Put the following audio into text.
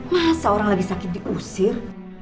masa orang lagi sakit diusir